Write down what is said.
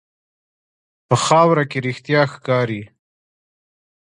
په خاوره کې رښتیا ښکاري.